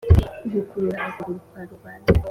gukurura ukuguru kwa rubanda)